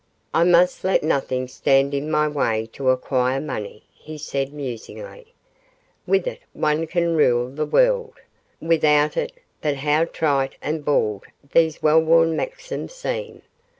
'I must let nothing stand in my way to acquire money,' he said, musingly; 'with it one can rule the world; without it but how trite and bald these well worn maxims seem!